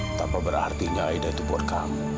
tidak apa berarti aida itu buat kamu